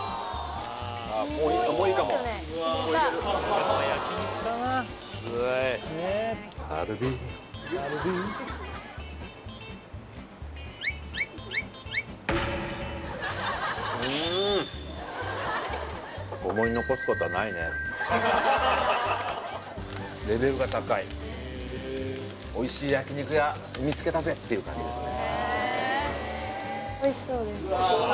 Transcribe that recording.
もういいかもレベルが高いおいしい焼肉屋見つけたぜっていう感じですね・